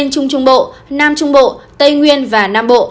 trung trung bộ nam trung bộ tây nguyên và nam bộ